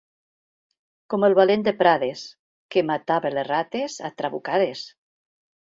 Com el valent de Prades, que matava les rates a trabucades.